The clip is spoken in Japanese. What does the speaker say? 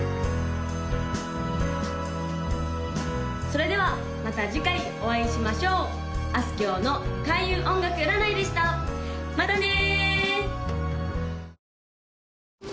それではまた次回お会いしましょうあすきょうの開運音楽占いでしたまたね！